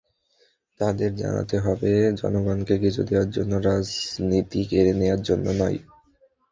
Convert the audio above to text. তাঁদের জানাতে হবে, জনগণকে কিছু দেওয়ার জন্য রাজনীতি, কেড়ে নেওয়ার জন্য নয়।